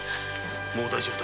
もう大丈夫。